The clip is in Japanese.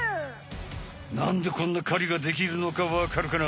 なんでこんなかりができるのかわかるかな？